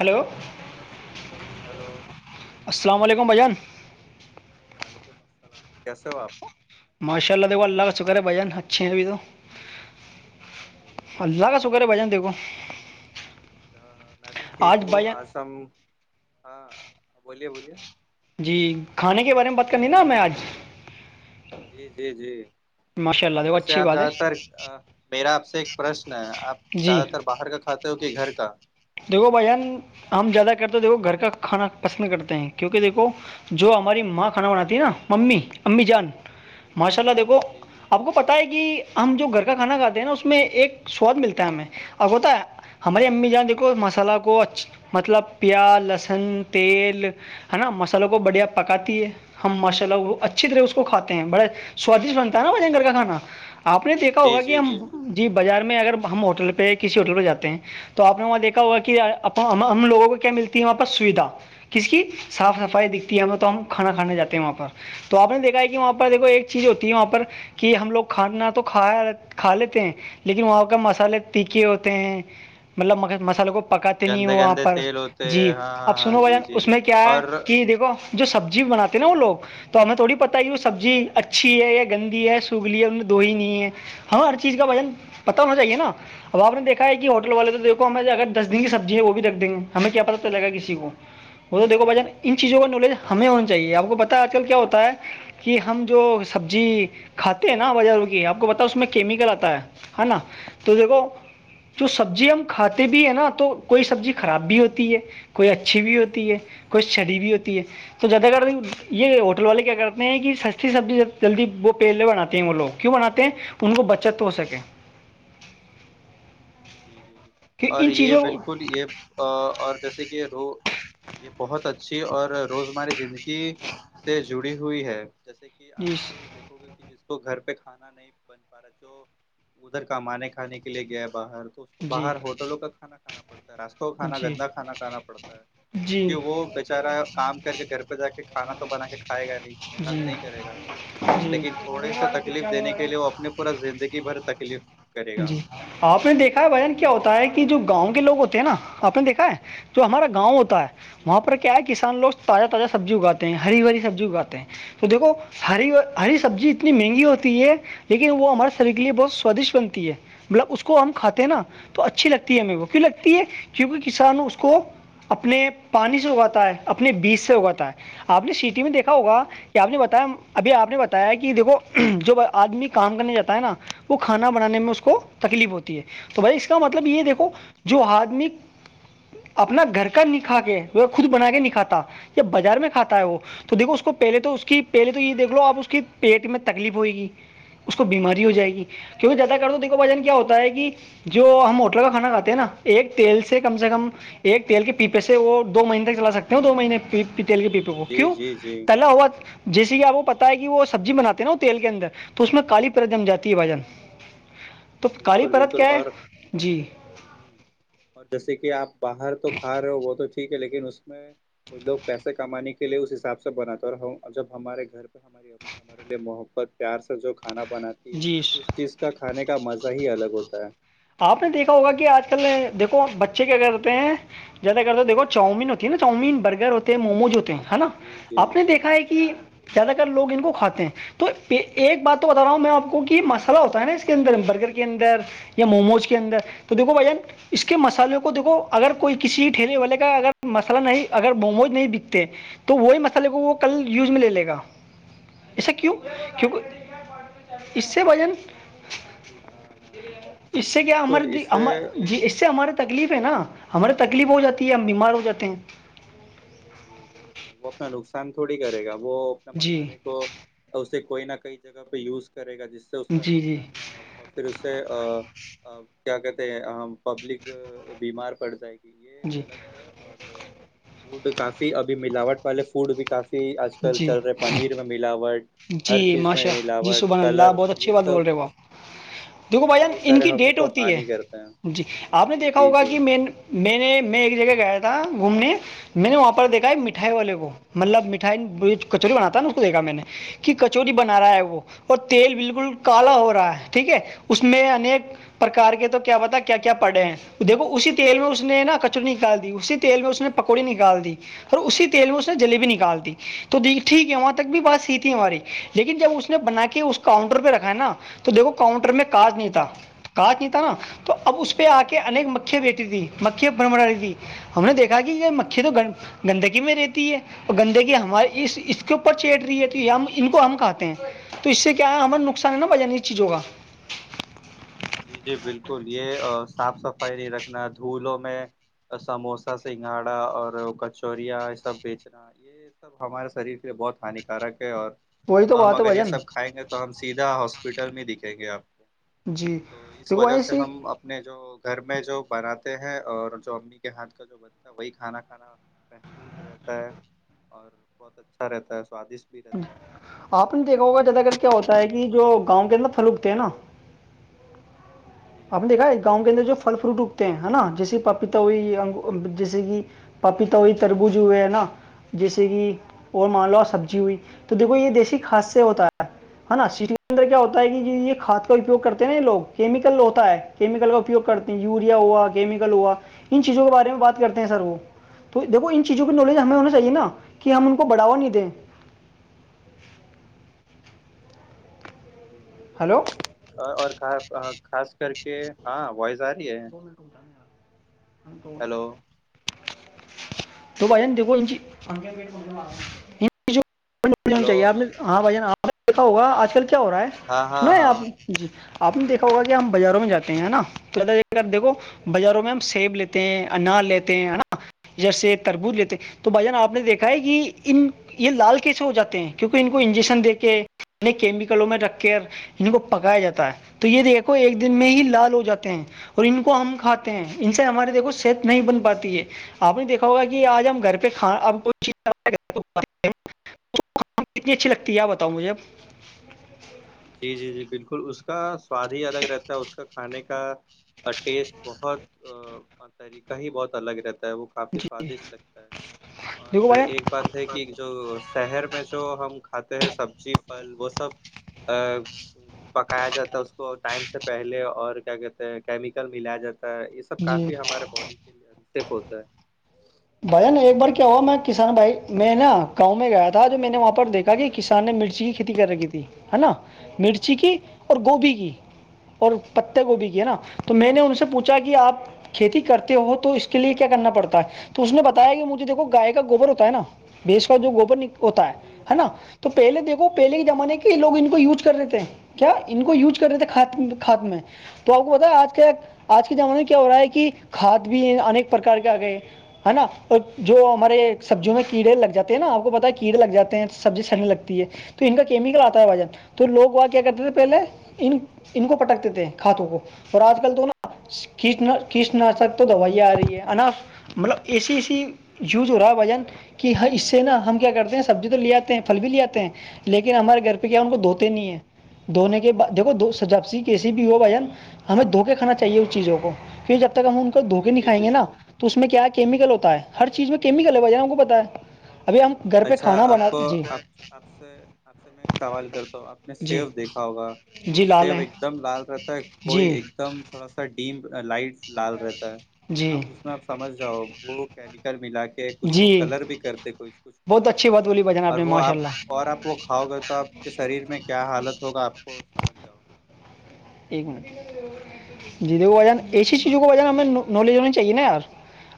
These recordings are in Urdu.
ہلو ہیلو السلام علیکم بھائی جان وعلیکم السلام کیسے ہو آپ ماشاء اللہ دیکھو اللہ کا شکر ہے بھجن اچھے ہیں ابھی تو جی جی اللہ کا س گھر بج ج دے کوو میں بھی ٹھیک ہوں آجم ہاں بولیے بولیے جی کھانے کے بارے میں بات کرنی نا ہمیں آج جی جی جی ماشاء اللہ دیکھو ویسے اچھی آپ بات ہے زیادہ تر میرا آپ سے ایک پرشن ہے آپ جی زیادہ تر باہر کا کھات کے گھر کا دیکھو بھائی جان ہم زیادہ کرتے دیکھو گھر کا کھانا پسند کرتے ہیں کیونکہ دیکھو جو ہماری ماں کھانا بناتی ہے نا ممی امی جان جی ماشاء اللہ دیکھو جی جی جی آپ کو پتا ہے کہ ہم جو گھر کا کھانا کھاتے ہیں نا اس میں ایک سواد ملتا ہے ہمیں اب ہوتا ہے ہماری امی جان دیکھو مسالہ کوچ مطلب پیاز لہسن تیل ہے نا مسالحوں کو بڑھیا پکاتی ہے ہم ماشاء اللہ وہ اچھی طرح اس کو کھاتے ہیں بڑا سوادشٹ بنتا ہے نا وھجن گھر کا کانا آپ نے دیکھا جی ہوگا کہ جی ہم جی بازار میں اگر ہم ہوٹل پہ کسی ہوٹل پہ جاتے ہیں تو آپ نے وہاں دیکھا ہوا کہ ہم لوگوں کو کیا ملتی ہے وہاں پر سویدھا کس کی صاف سفائی دکھتی ہے ہمیں تو ہم کھانا کھانے جے ہیں وہاں پر تو آپ نے دیکھا ہے کہ وہاں پر جی دیکو ایک چیزیں ہوتی ہے وہاں پر کہ ہم لوگ کھانا تو کھا کھا لیتے ہیں لیکن وہاں کا مسالے تھے ہوتے ہیں مطلب مسالوں کو پکاتے نہیں گندے وہاں گندے پر تیل ہوتے جی ہیں ہاں ہاں اب ہاں سنو جی بھائین جی اس جی میں کیا ہے اور کہ دیکھو جو ہاں سبزی بنات نا وہ لوگ تو ہمیں تھوڑی پتہ ہے وہ سبزی اچھی ہے یا گندی ہے سگلی ہے ان میں دو ہی نہیں ہے ہاں ہر چیز کا جی وجن جی پت ہونا چاہیے نا اب آپ نے دیکھا ہے کہ ہوٹل جی والے تو دیکھ ہمیں اگر دس دیں گی سبزی ہے وہ بھی رکھ دیں گے ہمیں کیا پتا چلےا کسی کو وہ تو دیکو بھائی جان ان چیزوں کا نالج ہمیں ہونا چاہیے آپ کو پتا ہے آج کل کیا ہوتا ہے کہ ہم جو سبزی کھاتے ہیں نا بازار کی آپ کو پتا اس میں کیمیکل آتا ہے ہے نا تو دیکھو جو سبزی ہم کھاتے بھی ہے نا تو کوئی سبزی خراب بھی ہوتی ہے کوئی اچھی بھی ہوتی ہے کوئی سڑی بھی ہوتی ہے تو زیادہ کرد یہ ہوٹل والے کیا کرتے ہیں کہ سستی سبزی جلدی وہ پیل لے بناتے ہیں وہ لوگ کی بناتے ہیں ان کو بچت تو ہو سکے جی جی جی کہ اور ان یہ چیزوں بالکل یہ اور جیسے کہ رو یہ بہت اچھی اور روزمرہ زندگی سے جڑی ہوئی ہے جیسے کہ کہ آپ جی دیکو گے کہ جس تو گھر پہ کھانا نہیں بن پا رہا جو ادھر کمانے کھانے کے لیے گیا باہر تو تو جی باہر ہوٹلوں کا کھانا کھانا پڑتا ہے راستوں کا کھانا جی گندا کھانا کھانا پڑتا ہے کیونکہ وہ جی بےچارا کام کر کے گھر پہ جا کے کھانا تو بنا کے کھائے گا نہیں محنت جی نہیں کرے گا جی لیکن تھوڑے سا تکلیف دینے کے لیے وہ اپنے پورا زندگی بھر تکلیف کرے گا جی آپ نے دیکھا ہے بجن کیا ہوتا ہے کہ جو گاؤں کے لوگ ہوتے ہیں نا آپ نے دیکھا ہے جو ہمارا گاؤں ہوتا ہے جی وہاں پر کیا کیا ہے کسانوگ تازہ تازہ سبزی اگات ہیں ہری ہری سبزی اگاتے ہیں تو دیکھو ہری ہری سبزی اتنی مہنگی ہوتی ہے لیکن وہ ہمارے شریر کے لیے بہت سوادشٹ بنتی ہے مطلب اس کو ہم کھاتے نا تو اچھی لگتی ہے ہمیں کو لگتی ہے کیونکہ کسان اس کو اپنے پانی سے اگاتا ہے اپنے بیج سے اگاتا ہے آپ نے سٹی میں دیکھا جی جی ہوگا کہ آپ نے بتایا ابھی آپ نے بتایا کہ دیکھو جو آدمی کام کرنے جاتا ہے نا وہ کھانا بنانے میں اس کو تکلیف ہوتی ہے تو بھائی اس کا مطلب یہ دیکھو جی جو آدمی اپنا گھر کا نکھا کے خود بنا کے نکھاتا ب بازار میں کھاتا ہے وہ تو دیکو اس کو پہلے تو اس کی پہلے تو یہ دیکھ لو آپ اس کی پیٹ میں تکلیف ہوئے گی اس کو بیماری ہو جائے گی کیونکہ جیادا کر تو دیکھو بھجن کیا ہوتا ہے کہ جو ہم ہوٹل کا کھانا کھے ہیں نا ایک تیل سے کم سے کم ہ ایک تیل کے پیپے سے وہ دو مہینے تک چلا سکتے ہیں دو مہینے پی تیل کے پی پ جی کیو جی جی تل ہوا جیسے کہ آپ کو پتتا ہے کہ وہ سبزی بناتے نا تیل کے اندر تو اس میں کالی پرت جم جاتی ہے بجن تو کالی بالکل پرت بالکل کیا ہے اور جی اور جیسے کہ آپ باہر تو کھا رہے ہو وہ تو ٹھیک ہے لیکن اس میں اور لوگ پیسے کمانے کے لیے اس حساب سے بناتے ہیں اور جب ہمارے گھر پہ ہماری امی ہمارے لیے محبت پیار سے جو کھانا بناتی ہے جی اس چیز کا کھانے کا مزہ ہی الگ ہوتا ہے آپ نے دیکھا ہوگا کہ آج کل دیکھو بچے کیا کرتے ہیں زیادہ کرر تو دھو چاؤین ہوتی نا چاؤمین برگر ہو ہیں موموز ہوتے ہیں ہے نا جی جی آپ نے دیکھا ہے کہ جی زیادہ تر لوگ ان کو کھاتے ہیں تو ایک بات تو بتا رہا ہوں میں آپ کو کہ مسالا ہوتا ہے نا اس کے اندر برگر کے اندر یا موموز کے اندر ہوں تو دیکھو بھائین اس کے مصالحوں کو دیکھو اگر کوئی کسی ٹھیلے والے کا اگر مسالحہ نہیں اگر موموج نہیں بکتے تو وہی مطلب لے وہ کل ہوں یوز میں لے لے گا ایسا کیوں جی جی جی کیونکہ اس سے وجن جی ہاں ہاں ہاں اس سے کیا بالکل اس سے ہمارے جی اس سے ہمارے تکلیف ہے نا ہماراری تکلیف ہو جاتی ہے ہم ہوں بیمار ہو جاتے ہیں جی جی جی وہ اپنا نقصان تھوڑی کرے گا وہ اپنے جی مسالحے کو اور اسے کوئی نہ کہئی جگہ پہ یوز کرے گا جس سے اس کا جی جی نقصان نہ ہو اور پھر اس سے کیا کہتے ہیں ہم پبلک بیمار پڑ جائے گی یہ جی غلط ہے اور فوڈ کافی ابھی ملاوٹ والے فوڈ بھی کافی آج کل جی چل رہے پنیر میں ملاوٹ جی ہر چیز میں ماشا جی ملاوٹ سبحان اللہ کلر بہت اچھی یہ بات بول سب رہے ہو آپ دیکھو بھائی جان یہ ان سارے کی ہم ڈیٹ کو ہوتی ہے ہانی کرتے ہیں جی آپ نے جی دیکھا جی ہوگا کہ جی مین میں نے میں ایک جگہ گیا تھا گھومنے میں نے وہاں پر دیکھا ہے مٹھائی جی والے کو مطلب مٹھ کچوری بنات جی تھا ن کو دیکھا میں نے کہ کچوری بنا رہا جی ہے وہ اور تیل بالکل کالا ہو رہا ہے ٹھیک ہے اس میں انیک پرکار کے تو کیا بتا کیا کیا پڑھے ہیں دیکھو اسی تیل میں اس نے نا کچڑی نکال دی اسی تیل میں اس نے پکوڑی نکال دی اور اسی تیل میں اس ہ نے ہ ہ جلی بھیی نکال دی تو دیک ٹھیک ہے وہاں تک بھی جی بات سیھ ہماری لیکن جب اس نے بنا کے اس ہ کاؤنٹر پہ رکھا ہے نا تو دیکو کاؤنٹر میں کاج نہیں تھا کاچ نہیں تھا نا تو اب اس پہ آ کے انیک مکھھی بیٹھی تھی مکھیا بنبڑا رہی تھی ہم نے دیکھا کہ یہ مھی تو جی گ گندگی میں رہتی ہے اور گندگی ہمارے اس اس کے اوپر چیٹ رہی ہے تو یہ ہم ان کو ہم کہاتتے ہیں تو اس سے کیا ہے ہمارا نقصان ہے نا بجان چیزوں کا جی جی بالکل یہ صاف صفائی نہیں رکھنا دھولوں میں سموسا سنگھاڑا اور کچوریا یہ سب بیچنا یہ یہ سب ہمارے شریر کے لیے بہت ہانیکارک ہے اور وہی تو ہم بات ہے اگر یہ بھجن سب کھائیں گے تو تو ہم سیدھا ہاسپیٹل میں دکھیں گے آپ کو جی تو اس دیکھو وجہ بھائی سے ہم اپنے جو گھر میں جو بناتے ہیں اور جو امی کے ہاتھ کا جو بنتا ہے وہی کھانا کھانا محفوظ رہتا ہے اور بہت اچھا رہتا ہے سوادشٹ بھی رہتا ہے آپ نے دیکھا ہوگا جیادہگر کیا ہوتا ہے کہ جو گاؤں کے اندر پھلوکتے ہیں نا جی آپ دیکھا ہے گاؤں کے اندر جو فل فروٹ اگتے ہیں ہے نا جیس پاپیتا ہوئی جی جی جیسے کہ پپیتا ہوئی تربوز ہوئے ہے نا جیسے کہ اور ہاں مان ہوں، لو سبزی ہوئی تو دیکھو یہ دیسیی کھاد سے ہوتا ہے ہے نا سیلینڈر کیا ہوتا ہے کہ یہ کاد کا اپیگ کرتے ہیں نا یہ لوگ کیمل ہوتا ہے کیمیکل کا اپیوگ کرتی ہیں یہ یوریا ہوا کیمیکل ہوا ان چیزوں کے بارے میں بات کرتے ہیں ہوں، سر وہ تو دیکو ان چیزوں کی نالج ہمیں ہونا چاہیے نا کہ ہم ان کو بڑھوا نہیں دیں جی جی جی جی ہیلو بالکل اور خاص کر کے ہاں وائز آ رہی ہے کو ہیلو تو بھائیین دیکھو ان ان کی جو ہلو چاہیے آپ نے ہاں بھائی جان آپ نے دیکا ہوگا آج کل کیا ہو رہا ہے ہاں ہاں سناو ہاں آپ جی آپ نے جی دیکھا ہوگا کہ ہم ہاں بازاروں میں جی جی جاتے ہیں نا تو دیکھو جی بازاروں میں ہم سیب لیتے ہیں انار لیتے ہیں نا جیسے تربوج لیتے تو بھائی جان آپ نے دیکھا ہے کہ ان یہ لال کیسے ہو جاتے ہیں کیونکہ ان کو انجیکشن دے کے ان کیمیکلوں میں رکھ کے ان کو پکایا جاتا ہے تو یہ دیکھو ایک دن میں ہی لال ہو جاتے ہیں اور ان کو ہم کھاتے ہیں ان سے ہماری دیکھو صحت نہیں بن پاتی ہے آپ نے دیکا ہوا آج ہم گھر پہ کھا کوئی چیز کتنی اچھی لگتی ہے بتاؤ مجھے اب جی جی جی بالکل اس کا سواد ہی الگ رہتا ہے اس کا کھانے کا اور ٹیسٹ بہت طریقہ ہی بہت الگ رہتا ہے وہ کافی جی جی سوادشٹ لگتا ہے دیکھو اور بھائی ایک بات ہے کہ جو شہر میں جو ہم کھاتے ہیں سبزی پھل وہ سب ا [inaudible] پکایا جاتا ہے اس کو ٹائم سے پہلے اور کیا کہتے کیمیکل ملایا جاتا ہے اس سب جی کافی ہمارے باڈی کے لیے سف ہوتا ہے بھجن ایک بار کیا ہوا میں کسان بھائی میں نا گاؤں میں گیا تھا جو میں نے وہاں دیکھا کہ کسان نے مرچی کی کھیتی کر رکھی تھی ہے نا مرچ چی کی جی اور گوبھی کی اور پتے گوبھی کی ہے نا ہوں تو میں نے ان سے پوچھا کہ آپ کھیتی کرتے ہو تو اس کے لیے کیا کرنا پڑتا ہے تو اس نے بتایا کہ مجھے دیکھو گائے کا گوبر ہوتا ہے نا بھیس کا جو گوبر ہوتا جی ہے جی نا تو پہے دیکو پہے کے زمانے ہ کے یہ لو ان کو یوز کر رہے تھے کیا ان کو یوز کر رہے تھےات ہات میں تو آپ کو بتا آج کے آج کے زمانے میں کیا ہو رہا ہے کہ کھاد بھی انیک پرکار کے آ گئے ہے نا اور جو ہمارے ہ سبزیوں میں کیڑے لگ جاتے ہیں نا آپ کو پتا ہے کیڑے لگ جاتے ہیں سبزی ہ سنے لگتی ہے تو ان کا کیمیکل آتا ہے وجن تو لوگ وہ کیا کرتے تھے پہلے ان ان کو پٹکتے تھے ہاتھوں کو اور آج کل تو نا کھینچ نہ کھینچ نہ سک تو دوائیاں آ رہی ہے نا مطلب اے سی ای س جی وز ہو رہا ہے وجن کہ اس سے نا ہم کیا کرتے ہیں سبزی تو لے آتے ہیں پھل بھی لے آتے ہیں لیکن ہمارے گھر پہ کیا ان کو ہ دھوتے نہیں ہیں دھونے کے بعد دیکھو سجاپسی کیسی بھی ہو بھان ہمیں دھو کے کھانا چاہیے اس چیزوں کو پھر جب تک ہم ان کو جی جی دھوکےکھائیں گے نا بالکل تو اس میں کیا ہے کیمیکل ہوتا ہے ہر چیز میں کیمل ہےج نا بتا ہے ابھی ہم کو اچھا آپ کو آپ آپ سے آپ سے میں ایک سوال کرتا ہوں آپ نے جی سیو دیکھا ہوگا جی کوئی لال سیب ہیں ایک دم لال رہتا ہے کوئی جی ایک دم تھوڑا سا ڈیم لائٹ لال رہتا ہے جی اب اس اس میں آپ سمجھ جاؤ وہ کیمیکل ملا کے اس کو جی کلر بھی کرتے کوئی کچھ کچھ بہت لوگ اچھی بات بولی بھائی جان اور نے وہ ماشاء آپ اللہ اور آپ کو کھاؤ گے تو آپ کے شریر میں کیا حالت ہوگا آپ کو سمجھ جاؤ ایک مٹ جی د بجان ایسی چیزوں اور کو بجانا ہمیں یہ یہ- نالج ہونی چاہیے نا یار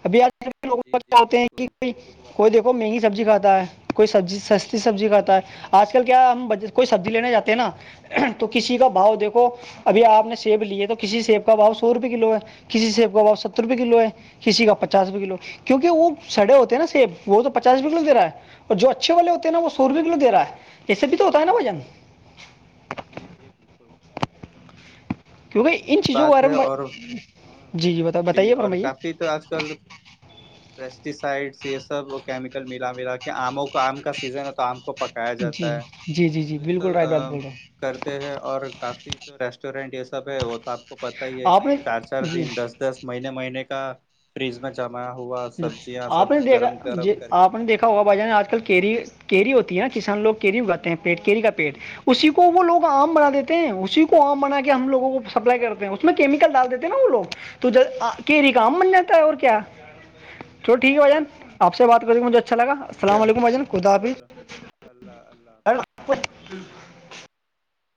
ابھی آج کل کے لوگوں کو جی جی چاہتے ہیں کہ بالکل کوئی کوئی دیکو مہنگی سبزی کھاتا ہے کوئی سبزی سستی سبزی کھاتا ہے آج کل کیا ہم کوئی سبزی لینے جاتے ہیں نا تو کسی کا بھؤ دیکھو ابھی آپ نے سیب لیے ہے تو کسییب کاا سو روپئے کلو ہے کسی سیب کا باؤ ستر روپئے کلو ہے کسی کا پچاس روپئے کلو ہاں، کیونکہ وہ سڑے ہوتے ہیں نا سیب وہ تو پچاس روپئے کلوے رہا ہے اور جو اچھے والے ہوتے ہیں نا وہ سو ہوں، روپئے کلو دے رہ ہے ایسے بھی تو ہوتا ہے نا وزن جی جی بالکل کیونکہ ان یہی چیزوں کے بات بارے ہے میں اور بھائی- ہ جی بتا- جی بتائیے اور فرمائیے کافی تو آج کل پیسٹی سائڈس یہ سب کیمیکل ملا ملا کے کہ آموں کو آم کا سیزن ہے تو آم کو پکایا جی جاتا ہے جی جی جی یہ بالکل رائٹ بات سب بول رہے ہیں کرتے ہیں اور کافی جو ریسٹورینٹ یہ سب ہے وہ تو آپ کو پتا ہی ہے آپ کہ نے چار چار جی دن دس دس مہینے مہینے کا فریز میں جمایا ہوا جی سبزیاں سب آپ نے دیکھا گرم جی گرم کر کر آپ کے نے دیکھا ہوگا کھلاتے ہیں بھائی جان آج کل کیری کیری ہوتی ہے نا کسان لوگ کیری اگاتے ہیں پی کیری کا پیٹ جی جی اسی کو وہ لوگ آم جی بنا دیتے ہیں اسی کو آم بنا کے ہم لگوں کو سپلائی کرتے ہیں اس میں جی کیمیکل ڈال دیتے ہیں نا وہ لو تو ج کیری کام جی مناتا ہے اور کیا چل ٹھیک ہے بھائیجان بالکل بالکل آپ سے بات کری مجھے اچھا ٹھیک ہے لگاسلام علیکم بھجان خدا چلو حافظ اللہ اللہ حافظ